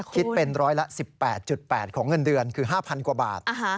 คิดเป็นร้อยละ๑๘๘ของเงินเดือนคือ๕๐๐กว่าบาท